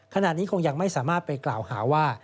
ขณะนี้คงยังไม่สามารถไปกล่าวหาว่า